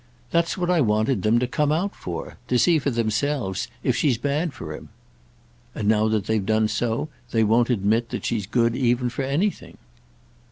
"That's what I wanted them to come out for—to see for themselves if she's bad for him." "And now that they've done so they won't admit that she's good even for anything?"